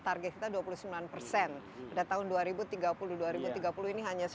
lalu kami sudah bisa perusak ini menjadi satu tahun lebih luas american meng brain